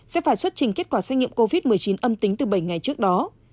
sẽ phải xuất trình kết quả xét nghiệm covid một mươi chín âm tính từ bảy ngày trước đó